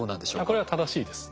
これは正しいです。